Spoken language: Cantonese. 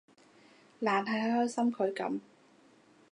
懶係關心佢噉